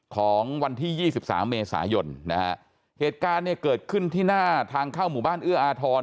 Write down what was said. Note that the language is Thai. ของวันที่๒๓เมษายนเหตุการณ์เกิดขึ้นที่หน้าทางเข้าหมู่บ้านเอื้ออาทร